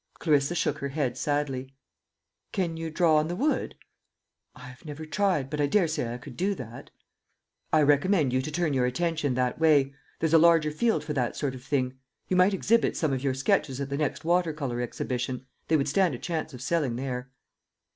Clarissa shook her head sadly. "Can you draw on the wood?" "I have never tried, but I daresay I could do that." "I recommend you to turn your attention that way. There's a larger field for that sort of thing. You might exhibit some of your sketches at the next Water Colour Exhibition. They would stand a chance of selling there."